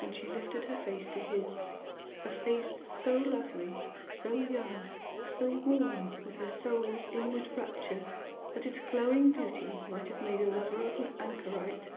And she lifted her face to his a face so lovely, so young, so warm with her soul's inward rapture that its glowing beauty might have made a lover of an anchorite.